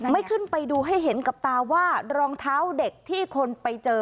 ขึ้นไปดูให้เห็นกับตาว่ารองเท้าเด็กที่คนไปเจอ